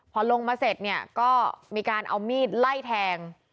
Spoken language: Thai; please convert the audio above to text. พอลงมาเสร็จเนี่ยก็มีการเอามีดไล่แทง